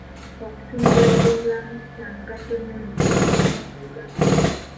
Okutumbula ebyobulamu kya mugaso nnyo mu kulaakulana ya Uganda.